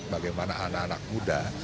bagaimana anak anak muda